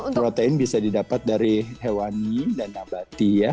protein bisa didapat dari hewani dan nabati ya